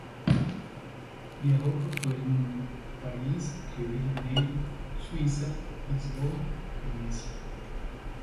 Viajó por todo el mundo: París, Río de Janeiro, Suiza, Lisboa, Venecia...